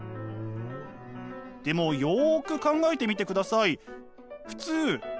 でもよく考えてみてください。